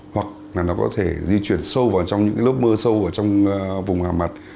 hoặc là nó có thể di chuyển sâu vào trong những cái lớp mưa sâu ở trong vùng hạ mặt